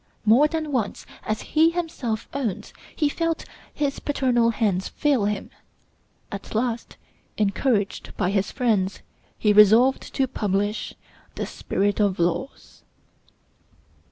More than once, as he himself owns, he felt his paternal hands fail him. At last, encouraged by his friends, he resolved to publish the 'Spirit of Laws.'